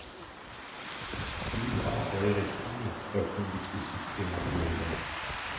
Wie war eure Tour?, erkundigte sich Emanuela.